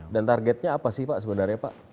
dan targetnya apa sih pak sebenarnya pak